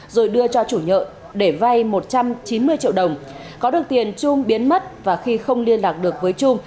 rồi đưa cho chủ nhợ để vai một trăm chín mươi triệu đồng có được tiền trung biến mất và khi không liên lạc được với trung